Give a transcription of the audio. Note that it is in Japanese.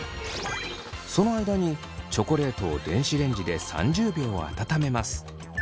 その間にチョコレートを電子レンジで３０秒温めます。